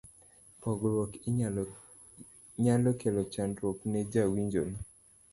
pogruok nyalo kelo chandruok ne jawinjo ni